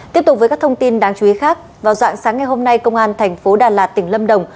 tiếp tục với các thông tin đáng chú ý khác vào dạng sáng ngày hôm nay công an thành phố đà lạt tỉnh lâm đồng